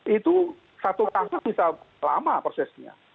itu satu tangan bisa lama prosesnya